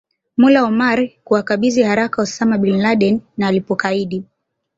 Mullah Omar kuwakabidhi haraka Osama Bin Laden na alipokaidi